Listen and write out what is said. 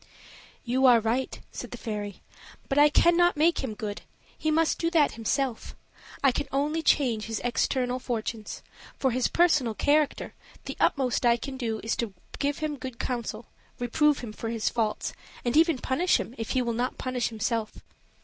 "You are right," said the fairy; "but I can not make him good: he must do that himself. I can only change his external fortunes; for his personal character, the utmost I can promise is to give him good counsel, reprove him for his faults, and even punish him, if he will not punish himself.